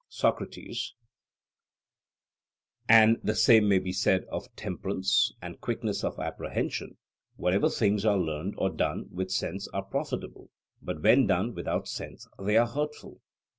SOCRATES: And the same may be said of temperance and quickness of apprehension; whatever things are learned or done with sense are profitable, but when done without sense they are hurtful?